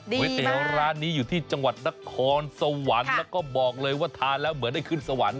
ก๋วยเตี๋ยวร้านนี้อยู่ที่จังหวัดนครสวรรค์แล้วก็บอกเลยว่าทานแล้วเหมือนได้ขึ้นสวรรค์